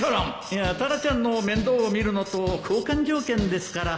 いやタラちゃんの面倒を見るのと交換条件ですから